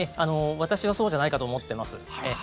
私はそうじゃないかと思っています。